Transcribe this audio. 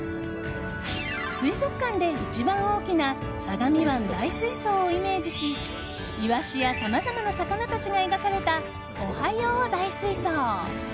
水族館で一番大きな相模湾大水槽をイメージしイワシやさまざまな魚たちが描かれたおはよう、大水槽。